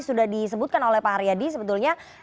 sudah disebutkan oleh pak haryadi sebetulnya